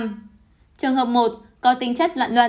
trường hợp một có tính chất loạn luận